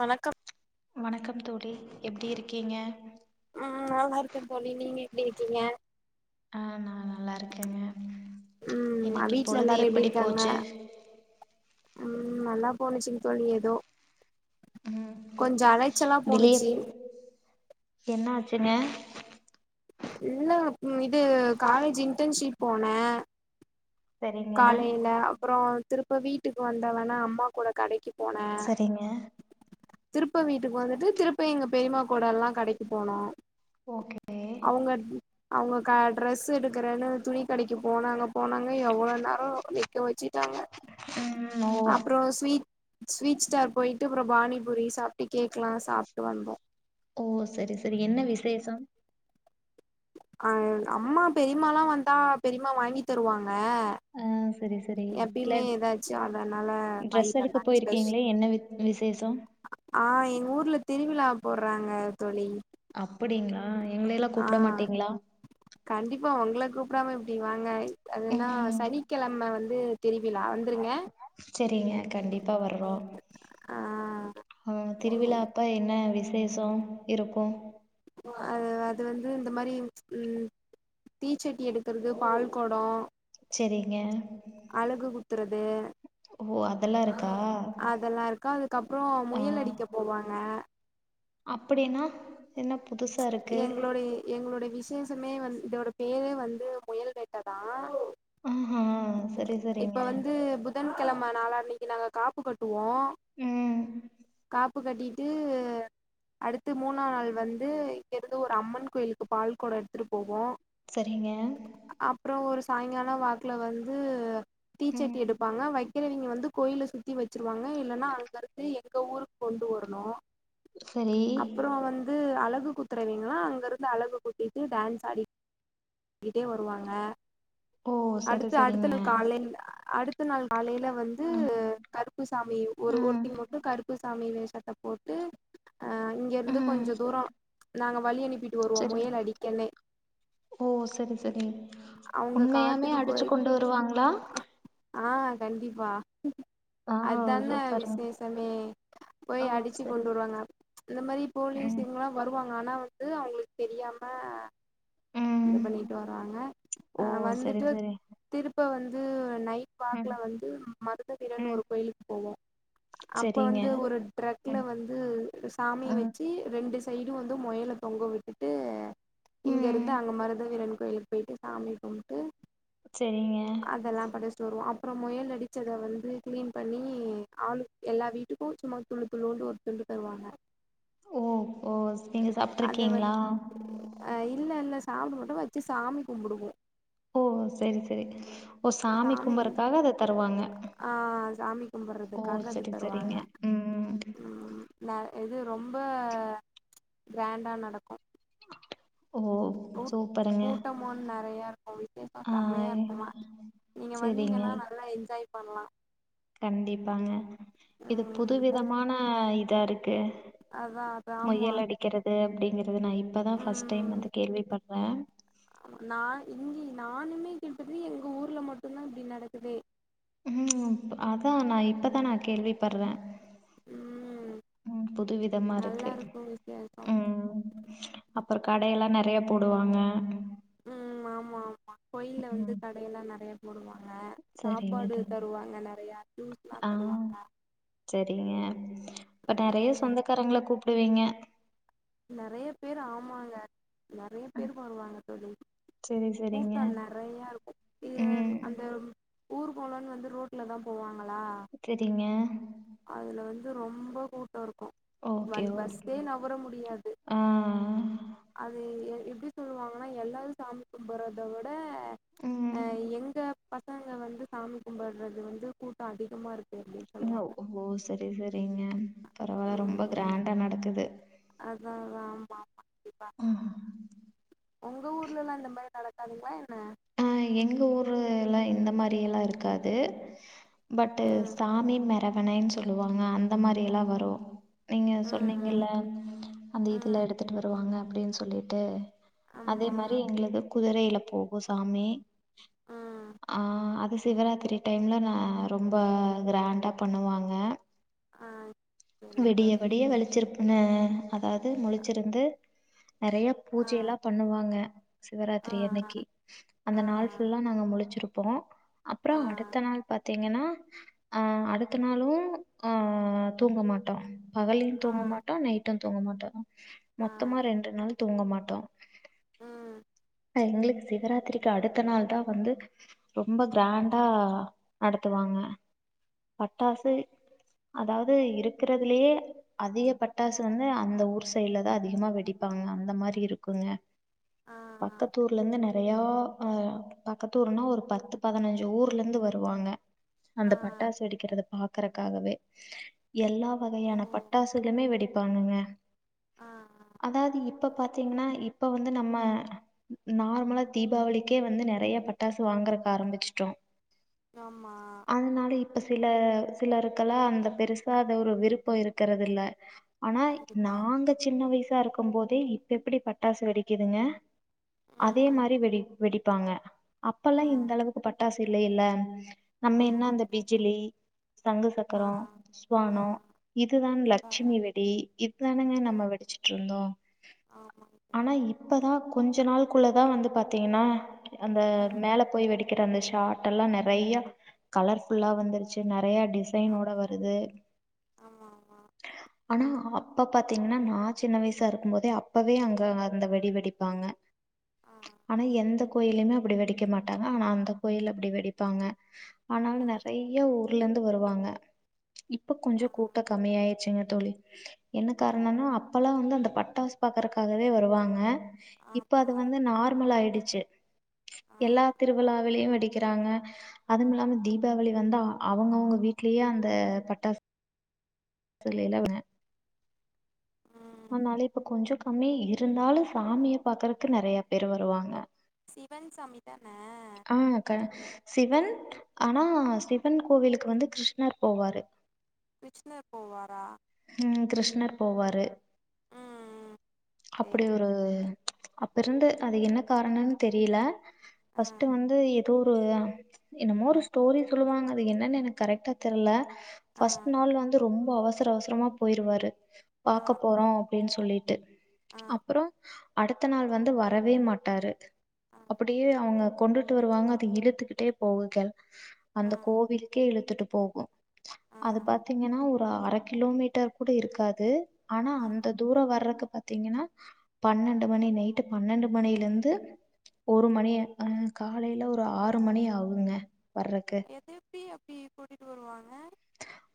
வணக்கம் வணக்கம் தோழி எப்பிடி இருக்கீங்க ஆ நல்லா இருக்கன்னு தோழி நீங்க எப்பிடி இருக்கீங்க ஆ நான் நல்லாருக்கேங்க ம் இன்னிக்கு வீட்ல பொழுது எல்லாரு எப்டி எப்பிடி இருக்காங்க போச்சு ம் நல்லா போச்சுங்க தோழி எதோ ம் கொஞ்ச அலைச்சலா வெளிய போணுச்சு என்ன ஆச்சுங்க இல்ல ம் இது காலேஜ் இன்டர்ன்ஷிப் போன சரிங்க காலையில அப்புறம் திருப்ப வீட்டுக்கு வந்த வெணா அம்மா கூட கடைக்கு போனே சரிங்க திருப்ப வீட்டுக்கு வந்துட்டு திருப்ப எங்க பெரிமா கூட எல்லாம் கடைக்கு போனோ ஓகே அவுங்க அவுங்க க ட்ரெஸ் எடுக்கறேன்னு துணி கடைக்கு போனாங்க போனாங்க எவ்ளோ நே எல்லாரும் நிக்க வச்சுிட்டாங்க ம் ஓ அப்புறம் ஸ்வீட் ஸ்வீட் ஸ்டார் போயிட்டு அப்புறம் பாானிபுரி சாப்ட்டு கேக்லாம் சாப்ட்டு வந்தோ ஓ செரி செரி என்ன விசேஷம் ஆ அம்மா பெரிம்மாலாம் வந்தா பெரிம்மா வாங்கி தருவாங்க ஆ சரி சரி இல்ல எப்பயுமே ஏதாச்சும் அதனால வாங்கி ட்ரெஸ் எடுக்க தந்தாங்க ஸ்பெஷ போயிருக்கீங்களே என்ன வி விசேஷம் ஆ எங்க ஊர்ல திருவிழா போடறாங்க தோழி அப்பிடிங்களா எங்களைல்லாம் ஆ கூப்பிட மாட்டீங்களா கண்டிப்பா உங்கள கூப்பிடாம எப்பிடி வாங்க அதுன்னா ம் சனிக்கிழமை வந்து திருவிழா வந்துருங்க சரிங்க கண்டிப்பா வர்றோம் ஆ ஆ திருவிழா அப்போ என்ன விசேஷம் இருக்கோ அ அது வந்து இந்த மாரி ம் தீச்சட்டி எடுக்கறது பால் கொட செரிங்க அலகு குத்துறது ஓ அதெல்லா இருக்கா அதெல்லாம் இருக்கோ அதுக்கப்பறம் முயல் அடிக்க போவாங்க அப்பிடின்னா என்ன புதுசா இருக்கு எங்களோட எ எங்களோடைய விசேஷமே வந்து இதோட பேரே வந்து முயல் வெட்டதான் ஆஹா சரி இப்ப சரிங்க வந்து புதன்கெழமை நாளா அன்னிக்கு நாங்க கா ப்பு கட்டுவோம் ம் காப்பு கட்டிட்டு அடுத்து மூணா நாள் வந்து இங்கருந்து ஒரு அம்மன் கோயிலுக்கு பால்கொடம் எடுத்துட்டு போவோ செரிங்க அ அப்பறம் ஒரு சாயங்காலம் வாக்குல வந்து டீச்சட்டி ம் எடுப்பாங்க வை க்கிறவீங்க வந்து கோயில சுத்தி வச்சுருவாங்க இல்லைன்னா அங்கருந்து எங்க ஊருக்கு கொண்டு வரணோ சரி அப்புறம் வந்து அலகு குத்துறவீங்களா அங்க இருந்து அலகு குட்டிட்டு டான்ஸ் ஆடி ங்கிட்டே வருவாங்க ஓ சரி அடுத்து அடுத்த சரிங்க நாள் காலைல அடுத்த நாள் காலைல வந்து ம் கருப்பு சாமி ஒரு ம் ஒருத்தி மட்டு கருப்பு சாமி வேஷத்த போட்டு ஆ இங்கெருந்து கொஞ்ச தூர நாங்க வழி அனுப்பிட் செரிங் ஓ செரி செரிங் அவங்க உண்மையால் லுமே காட்டுக்கு அடிச்சு போய் கொண்டு வருவாங்ளா ஆ கண்டிப்பா ஆ அதுதான சூப்பருங்க விசேஷமே போய் ஓ அடிச்சு சரி கொண்டு வருவாங்க இந்த மாரி போலீஸ் ம் இவுங்களா வருவாங்க ஆனா வந்து அவுங்களுக்கு தெரியாம இது ம் பண்ணிட்டு வராங்க ஓ அ சரி வந்துட்டு சரி திருப்ப வந்து நைட் பாக்ல ம் வந்து மருதவீரன்னு ம் ஒரு கோயிலுக்கு போவோ அப்ப சரிங்க வந்து ஒரு ட்ரக்ல ம் வந்து சாமிய ம் வெச்சு ரெண்டு ஸ் சைடு வந்து மொயல தொங்க விட்டுட்டு ம் இங்கெருந் மருதவீரன் கோயிலுக்கு போய்ட்டு சாமி கும்ட்டு சேரிங்க அதெல்லா படச்சுட்டு வருவோ அப்பற மொயல் அடிச்சத வந்து கிளீன் பண்ணி ஆளு எல்லா வீட்டுக்கு சும்மா துழு துழுன்டு ஒரு துண்டு தருவாங்க ஓ ஓ நீங்க அத வந்து சாப்ட்ருக்கீங்ளா அ இல்ல இல்ல சாப்ட மாட்டோ வெச்சு சாமி கும்புடுவோ ஓ சேரி சேரி ஓ சாமி கும்பறக்காக அத தருவாங்க ஆ சாமி ஓ கும்புட்றதுக்காக அது செரி தருவாங்க செரிங்க ம் ம் ந இது ரொம்ப கிராண்டா நடக்கு ஓ கூட் சூப்பருங்க கூட்டமு நெறையா இருக்கு விசேஷ ஆ செம்மயா இருக்குமா நீங்க செரிங்க வந்தீங்கனா நல்லா என்ஜாய் பண்லா கண்டிப்பாங்க இது புது ம் விதமான இதா இருக்கு அதா அதா ஆமா வெக்கிறது அப்டிங்கறது நா இப்ப தா ஃபஸ்ட் டைம் ம் வந்து கேள்விப்பட்றே நா இங்கி நானுமே கேட்டது எங்க ஊர்ல மட்டுந்தா இப்டி நடக்குது ம் அதா நா இப்பதா நா கேள்வி பட்றே ம் ம் புதுவிதமா நல்லா இருக்கு வித்தியாசோ ம் அப்ற கடயெல்லா நெறையா போடுவாங்க ம் ஆமா ஆமா கோயில்ல வந்து ம் கடையெல்லா நெறையா போடுவாங்க சரிங்க சாப்பாடு தோ தருவாங்க நெறையா ஜூஸ்லா தருவாங்க செரிங்க அப்ப நெறைய ம் சொந்தக்காரங்கள கூப்டுவீங்க நெறைய பேர் ஆமாங்க நெறைய பேர் வருவாங்க தோழி சரி சரிங்க கூட்ட நெறையா இருக்கு இதுல ம் அந்த ஊர்கோலனு வந்து ரோட்ல தா போவாங்களா தெரிங்க அதுல வந்து ரொம்ப கூட்ட இருக்கு ஓகே வன் ஓகே பஸ்ஸே நவுர முடியாது ஆ அது எ எப்டி சொல்லுவாங்கனா எல்லாரு சாமி கும்புட்றத விட அ ம் அ எங்க பசங்க வந்து சாமி கும்புட்றது வந்து கூட்ட அதிகமா இருக் ஓ செரி செரிங்க பரவால்ல ரொம்ப ம் கிராண்டா நடக்குது அதா அதா ஆமாம்மா கண்டிப்பா ம் ஒங்க ஊர்லலா இந்த மாரி நடக்காதுங்ளா என்ன ஆ எங்க ஊர்லலா இந்த மாரியெல்லா இருக்காது பட்டு் ம் சாமி மரவனைன் சொல்லுவாங்க அந்த மாரி எல்லா வரு நீங்க ம் சொன்னீங்கல அந்த ம் இதுல ம் எடுத்துட்டு வருவாங்க அப்டினு சொல்லிட்டு அதே ஆமா மாரி எங்களுக்கு குதிரைல போகு சாமி ம் ஆ அது சிவராத்ரி டைம்ல நா ரொம்ப கிராண்டா பண்ணுவாங்க ஆ சரிங்க விடிய தோழி விடிய வெளிச்சருக்குனு அதாவது முழிச்சிருந்து நெறய ஆ பூஜை எல்லா பண்ணுவாங்க ஆ சிவராத்ரியன்னைக்கு அந்த ஆ நாள் ஃபுல்லா நாங்க முழிச்சிருப்போ அப்றோ ஆ ஆ அடுத்த நாள் பாத்தீங்கனா அ அடுத்த நாளு அ தூங்க மாட்டோ பகல்லயு ஆ தூங்க மாட்டோ நைட்டு தூங்க மாட்டோ ஆ ஆ மொத்தமா ரெண்டு நாள் தூங்க மாட்டோ ஆ எங்ளுக்கு சிவராத் ராத்திரிக்கு அடுத்த நாள் தா வந்து ரொம்ப கிராண்டா நடத்துவாங்க பட்டாசு அதாவது இருக்கறதுலயே அதிக பட்டாசு வந்து அந்த ஊர் சைடுல தா அதிகமா வெடிப்பாங்க அந்த மாரி இருக்குங்க ஆ ஆ பக்கத் ஊர்ல இருந்து நெ றய ஆ பக்கத்து ஊர்ன்னா ஒரு பத்து பதினஞ்சு ஊர்ல இருந்து வருவாங்க அந்த ஆ பட்டாசு வெடிக்குறத பாக்கறக்காகவே எல்லா ஓ வகையான பட்டாசுகளுமே வெடிப்பாங்கங்க ஆ அதாது இப்ப பாத்தீங்கனா இப்ப வந்து நம்ம நார்மலா தீபாவளிக்கே வந்து நெறய பட்டாசு வாங்கறக் ஆரம்பிச்சுட்டோ ஆமா அதனால இப்ப சில சிலருக்கெலா அந்த பெருசா அது ஒரு விருப்ப இருக்குறது இல்ல ஆனா கண்டிப்பா நாங்க சின்ன வயசா இருக்கு போதே இப்ப எப்டி பட்டாசு வெடிக்குதுங்க அதே ம் மாரி வெடி வெடிப்பாங்க அப்பல்லா ஆ இந்த அளவுக்கு பட்டாசு இல்லைல்ல நம்ம என்ன ஆமா அந்த கண்டிப்பா பிஜ்லி சங்கு சக்கர ஆ புஷ்வான ஆ இதுதா அப்பாவா லட்சுமி வெடி இதுதானுங்க நம்ம ம் வெடிச்சிட் இருந்தோ ஆமாங்க தோழி ஆனா இப் ப்பதா கொஞசோ நாள்குள்ளதா வந்து பாத்தீங்கனா அந்த மேல போய் வெடி க்குற அந்த ஷார்ட் எல்லா நெறய கலர் ஃபுல்லா வந்துருச்சு நெறய டிசைனோட வருது ஆமா ஆனா அப்ப பாத்தீங்கனா நா சின்ன வயசா இருக்கு போதே அப்பவே அங்க அந்த வெடி வெடிப்பாங்க ஆ ஆனா எந்த கோயில்லயுமே அப்டி வெடிக்க மாட்டாங்க ஆனா அந்த கோயில்ல அப்டி வெடிப்பாங்க ஆனாலு நெறய ஊர்ல இருந்து வருவாங்க இப்ப கொஞ்சோ கூட்ட கம்மியாயிடுச்சுங்க தோழி என்ன காரணம்னா அப்பெல்லா வந்து அந்த பட்டாசு பாக்கறக்காகவே வருவாங்க ஆமா இப்ப ஆமா அது வந்து நார் மல் ஆயிடுச்சு ஆ எல்லா திருவிழாவிலயு வெடிக் கிறாங்க அது இல்லாம தீபாளி வந்தா அவங்க அவங்க வீட்லயே அந்த பட்டாசு தெரியலங்க அதனால இப்ப கொஞ்சோ கம்மியா இருந்தாலு சாமிய பாக்குறக்கு நெறய பேரு வருவாங்க சிவன் சாமிதான ஆ சிவன் ஆனா சிவன் கோவிலுக்கு வந்து கிருஷ்ணர் போவாரு விச்சுனர் போவாரா ம் கிருஷ்ணர் போவாரு ம் அப்டி சரிங்க ஒரு தோழி அப்ப இருந்து அது என்ன காரணம்ன்னு தெரியல ஆ ஃபஸ்ட் வந்து அது ஒரு என்னமோ ஒரு ஸ்டோரி சொல்லுவாங்க அது என்னன்னு எனக்கு கரெக்டா தெர்ல ஆ ஃபர்ஸ்ட் நாள் வந்து ரொம்ப அவசர அவசரமா போயிருவாரு ஆ பாக்க போறோ அப்டின்னு சொல்லிட்டு ஆ அப்பறோ அடுத்த நாள் வந்து வரவே மாட்டாரு ஆ அப்டியே அவங்க கொண்டுட்டு வருவாங்க அது இழுத்துக்கிட்டே போகுது ஆ அந்த கோவிலுக்கே இழுத்துட்டு போகு ஆ அது பாத்தீங்கன்னா ஒரு அர கிலோமீட்டர் கூட இருக்காது ஆனா ஆ அந்த தூரோ வரக்கு பாத் பாத்தீங்கன்னா பன்னெண்டு மணி நைட்டு பன்னெண்டு மணில இருந்து ஒரு மணி காலைல ஒரு ஆறு மணி ஆகுங்க வர்றக்கு எது எப்டி அப்டி கூட்டிட்டு வருவாங்க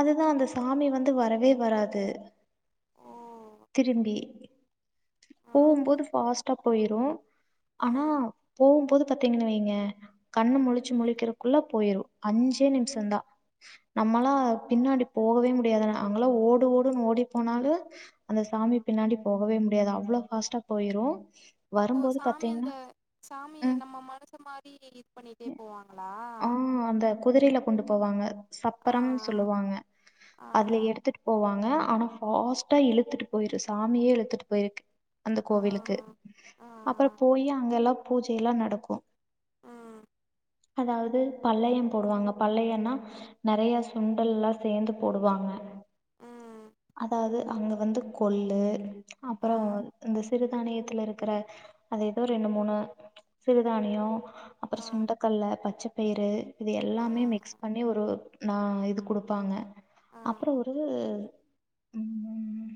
அதுதா அந்த சாமி வந்து வரவே வராது ஓ திரும்பி ஆ போம்போது ஃபாஸ்டா போயிரு ஆ ஆனா ம் போம்போது பாத்தீங்கனு வைங்க கண்ணு முழிச்சு முழிக்கிறதுக்குள்ள போயிரு அஞ்சே நிமிஷோ தா நம்மளா பின்னாடி போகவே முடியாது அங்கல்லா ஓடு ஓடுன்னு ஓடி போனாலு அந்த சாமி பின்னாடி போகவே முடியாது அவ்ளோ ஃபாஸ்ட்டா போயிரு இப்போ வரும்போது சாமி பாத்தீங்கன்னா அந்த சாமி ம் நம்ம மனுஷே மாரி பண்ணிட்டே போவாங்களா குதிரைல கொண்டு போவாங்க ஆ சப்பரம்னு சொல்லுவாங்க ஆ அதுல எடுத்துட்டு போவாங்க ஆனா ஃபாஸ்ட்டா இழுத்துட்டு போயிரு சாமியே இழுத்துட்டு போயிருக்கு அந்த ஆ கோவிலுக்கு ஆ அப்பறோ போயி அங்க எல்லா பூஜை எல்லா நடக்கு ஆ அதாவது பல்லயோ போடுவாங்க பல்லயோனா நெறைய சுண்டல்லா சேந்து போடுவாங்க ம் அதாவது அங்க வந்து கொள்ளு ஆ அப்பறோ இந்த சிறுதானியத்தில இருக்கிற அது ஏதோ ரெண்டு மூணு சிறுதானியோ அப்றோ ஆ சுண்டக்கல்ல பச்சபயிறு இது ஆ எல்லாமே மிக்ஸ் பண்ணி ஒரு நா இது குடுப்பாங்க ஆ அப்றோ ஒரு ம்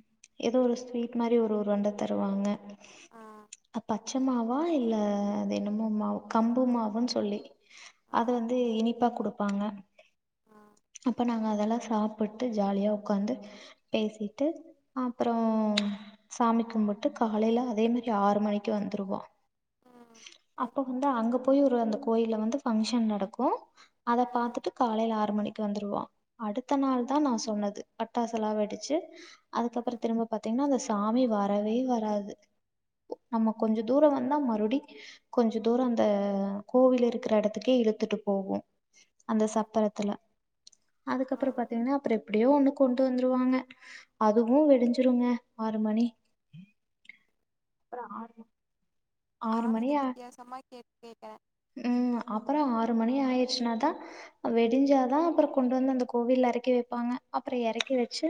ஏதோ ஒரு ஸ்வீட் மாரி ஒரு ஒரு உருண்ட தருவாங்க ஆ பச்ச மாவா இல்ல அது என்னமோ மாவு கம்பு மாவுன்னு சொல்லி அத வந்து இனிப்பா குடுப்பாங்க அப்ப நாங்க அதெல்லா சாப் புட்டு ஜாலியா உக்காந்து பேசிட்டு அப்றோ சாமி கும்பிட்டு காலையில அதே மாரி ஆறு மணிக்கு வந்துருவோ உ- அப்ப வந்து அங்க போய் ஒரு அந்த கோயில வந்து பங்க்ஷன் நடக்கு அத பாத்துட்டு காலையில ஆறு மணி க்கு வந்துருவோ அடுத்த நாள் தா நா சொன்னது பட்டாசுலா வெடிச்சி அதுக்கப்பறோ திரும்ப பாத்தீங்கன்னா அந்த சாமி வரவே வராது நம்ம கொஞ்சோ தூரோ வந்தா மறுபடி கொஞ்சோ தூரோ அந்த கோவில் இருக் இருக்கிற இடத்துக்கே இழுத்துட்டு போகு அந்த சப்பரத்துல ஆ அதுக்கப்பறோ பாத்தீங்கன்னா அப்றோ எப்டியோ ஒண்ணு கொண்டு வந்துருவாங்க அதுவு வெடிஞ்சிருங்க ஆறு மணி அப்றோ ஆறு மணி ஆறு நானு இத ஆ வித்தியாசமா கே கேட்ட ம் அப்பறோ ஆறு மணி ஆயிருச்சினாதா வெடிஞ்சாதா அப்றோ கொண்டு வந்து அந்த கோவில்ல இறக்கி வைப்பாங்க அப்ற இறக்கி வச்சு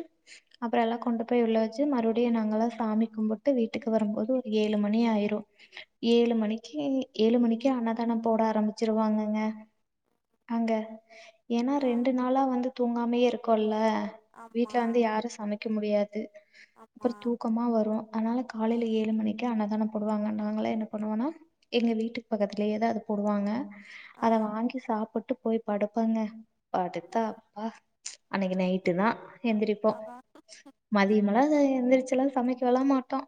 அப்றோ எல்லா கொண்டு போய் உள்ள வச்சி மறுபடியு நாங்கல்லா சாமி கும்பிட்டு வீட்டுக்கு வரும்போது ஒரு ஏழு மணி ஆயிரு ஏழு மணிக்கி ஏழு மணிக்கு அன்னதானம் போட ஆரம்பிச்சிருவாங்கங்க அங்க ஏன்னா ஆ ரெண்டு நாளா வந்து தூங்காமே இருக்கோல்ல ஆமா வீட்ல வந்து யாரு சமைக்க முடியாது அப்றோ ஆமா தூக்கமா வரு அனால ஆ காலையில ஏழு மணிக்கு அன்னதானம் போடுவாங்க நாங்கள என்ன பண்ணுவோனா எங்க வீட்டு பக்கத்திலயேதா அத போடுவாங்க ஆ அத வாங்கி சாப் போட்டு போய் படுப்போங்க படுத்தா ம் அப்பா அன்னைக்கு நைட்டு தா எந்திரிப்போ அதா மதியமலா எந்திரிச்சல்லா சமைக்க இல்ல மாட்டோ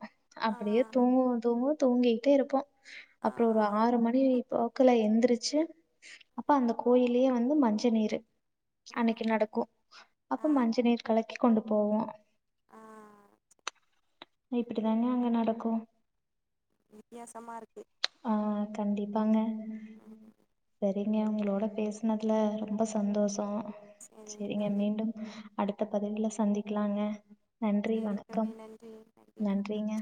ஆ அப்டியே தூங்குவோ தூங்குவோ தூங்கிட்டே இருப்போ ஆ அப்றோ ஒரு ஆறு மணி போக்குல எந்திரிச்சு அப்போ அந்த கோயிலயே வந்து மஞ்ச நீரு அன்னைக்கு ம் நடக்கு அப்போ ஆ மஞ்ச நீர் கலக்கி கொண்டு போவோ ஆ இப்டி தாங்க அங்க நடக்கு வித்தியாசமா இருக்கு ஆ கண்டிப்பாங்க ம் ம் செரிங்க உங்களோட பேசனதுல ரொம்ப சந்தோஷோ சரிங்க செரிங்க தோழி மீண்டும் அடுத்த பதிவில சந்திக்லாங்க நன்றி சரி தோழி வணக்கம் நன்றி நன்றி வணக்கம் நன்றிங்க